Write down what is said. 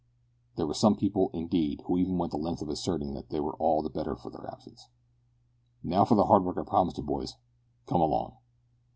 There were some people, indeed, who even went the length of asserting that they were all the better for their absence! "Now for the hard work I promised you, boys; come along."